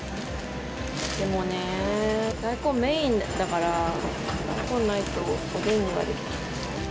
でもね、大根メインだから、大根ないとおでんはできない。